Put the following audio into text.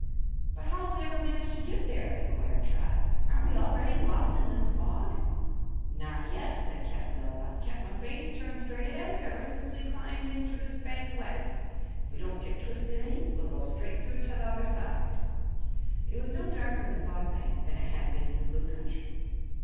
"But how'll we ever manage to get there?" inquired Trot. "Aren't we already lost in this fog?" "Not yet," said Cap'n Bill. "I've kep' my face turned straight ahead, ever since we climbed inter this bank o' wetness. If we don't get twisted any, we'll go straight through to the other side." It was no darker in the Fog Bank than it had been in the Blue Country.